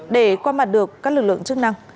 để qua mặt được các lực lượng chức năng